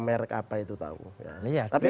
merk apa itu tahu tapi